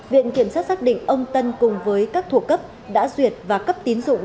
viện kiểm sát xác định ông tân cùng với các thuộc cấp đã duyệt và cấp tín dụng